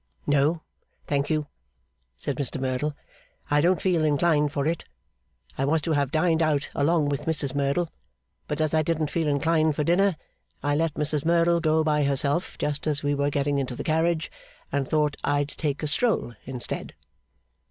'No, thank you,' said Mr Merdle, 'I don't feel inclined for it. I was to have dined out along with Mrs Merdle. But as I didn't feel inclined for dinner, I let Mrs Merdle go by herself just as we were getting into the carriage, and thought I'd take a stroll instead.